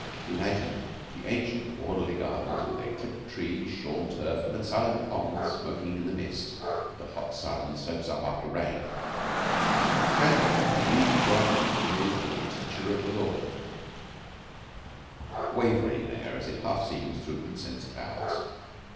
Imagine the ancient, orderly gardens with their clipped trees, shorn turf, and silent ponds smoking in the mist that the hot sun soaks up after rain, and the green bronze image of the Teacher of the Law wavering there as it half seems through incense clouds.